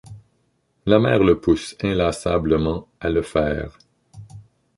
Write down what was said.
La mère le pousse inlassablement à le faire.